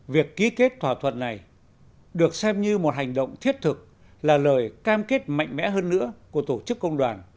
việc ký kết thỏa thuận này được xem như một hành động thiết thực là lời cam kết mạnh mẽ hơn nữa của tổ chức công đoàn